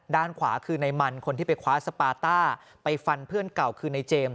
ด้านขวาคือในมันคนที่ไปคว้าสปาต้าไปฟันเพื่อนเก่าคือในเจมส์